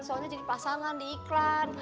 soalnya jadi pasangan di iklan